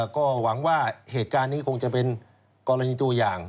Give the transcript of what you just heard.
ก็หวังว่าเหตุการณ์นี้คงจะเป็นกรณีตัวอย่าง